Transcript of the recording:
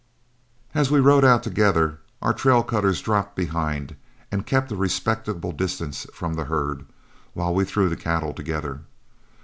As we rode out together, our trail cutters dropped behind and kept a respectable distance from the herd while we threw the cattle together.